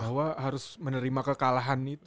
bahwa harus menerima kekalahan itu